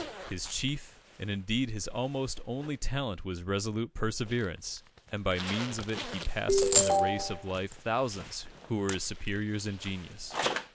His chief and indeed his almost only talent was resolute perseverance, and by means of it he passed in the race of life thousands who were his superiors in genius.